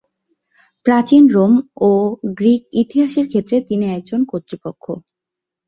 প্রাচীন রোম ও গ্রিক ইতিহাসের ক্ষেত্রে তিনি একজন কর্তৃপক্ষ।